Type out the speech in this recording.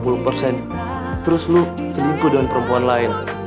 lalu kamu selipu dengan perempuan lain